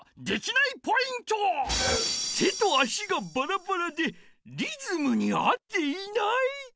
手と足がバラバラでリズムに合っていない。